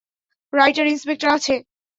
Writer, inspector আছে?